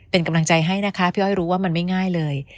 เป็นกำลังใจให้นะคะพี่อ้อยรู้ว่ามันไม่ง่ายเลย